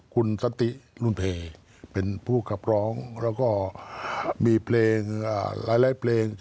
คุณสันติรุนเพลเป็นผู้ขับร้องแล้วก็มีเพลงหลายเพลง